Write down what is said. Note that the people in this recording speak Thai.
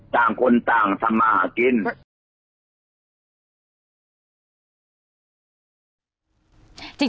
ต่างคนต่างสัมหากิน